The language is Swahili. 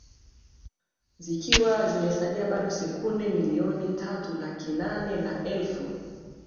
zikiwa zimesalia bado senduke milioni tatu laki nane na elfu